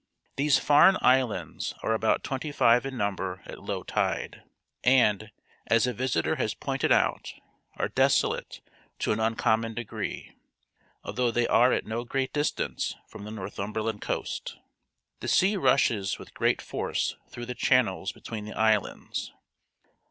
These Farne Islands are about twenty five in number at low tide, and, as a visitor has pointed out, are desolate to an uncommon degree, although they are at no great distance from the Northumberland coast. The sea rushes with great force through the channels between the islands.